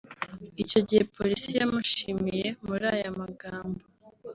Icyo gihe Polisi yamushimiye muri aya magambo